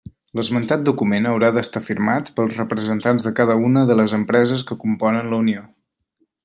L'esmentat document haurà d'estar firmat pels representants de cada una de les empreses que componen la unió.